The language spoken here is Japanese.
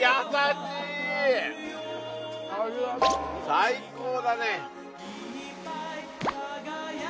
最高だね。